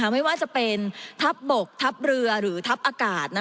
ไม่ว่าจะเป็นทัพบกทัพเรือหรือทัพอากาศ